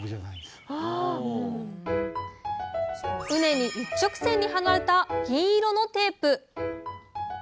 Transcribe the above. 畝に一直線に張られた銀色のテープ。